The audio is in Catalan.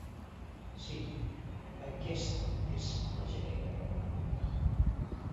Sí, aquesta ÉS la jaqueta que vull portar.